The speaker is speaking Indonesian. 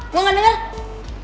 mau gak denger